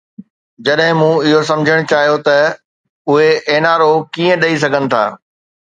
جڏهن مون اهو سمجهڻ چاهيو ته اهي اين آر او ڪيئن ڏئي سگهن ٿا.